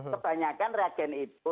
kebanyakan reagen itu